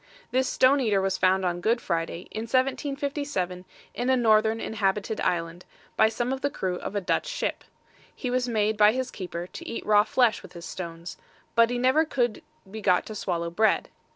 This stone eater was found on Good Friday, in 1757, in a northern inhabited island, by some of the crew of a Dutch ship. He was made by his keeper to eat raw flesh with his stones; but he never could be got to swallow bread.